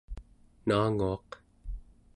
naanguaq